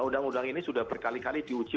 undang undang ini sudah berkali kali diuji